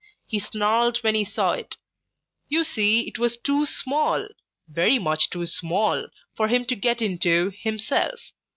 He snarled when he saw it. You see it was too small, very much too small, for him to get into himself.